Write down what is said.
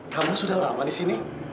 kamu sudah lama disini